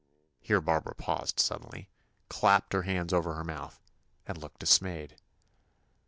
here Barbara paused suddenly, clapped her hand over her mouth, and looked dismayed.